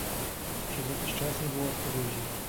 "Przez jakiś czas nie było odpowiedzi."